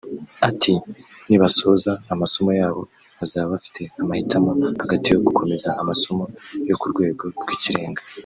Ati “Nibasoza amasomo yabo bazaba bafite amahitamo hagati yo gukomeza amasomo yo ku rwego rw’ikirenga